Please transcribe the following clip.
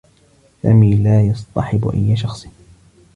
سامي لا يصطحب أيّ شخص.